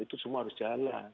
itu semua harus jalan